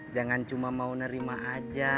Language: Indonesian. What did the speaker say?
jangan cuma mau nerima aja